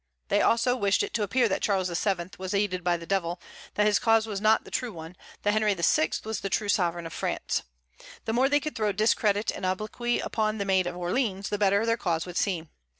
They also wished it to appear that Charles VII. was aided by the Devil; that his cause was not the true one; that Henry VI. was the true sovereign of France. The more they could throw discredit and obloquy upon the Maid of Orleans, the better their cause would seem.